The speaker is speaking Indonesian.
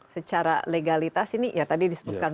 secara legalitas ini ya tadi disebutkan